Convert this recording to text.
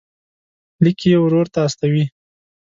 لیک یې ورور ته استوي.